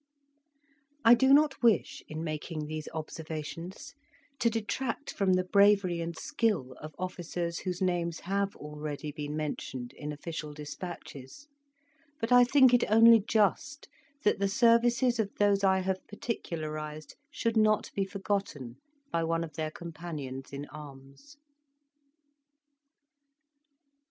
I do not wish, in making these observations, to detract from the bravery and skill of officers whose names have already been mentioned in official despatches, but I think it only just that the services of those I have particularized should not be forgotten by one of their companions in arms.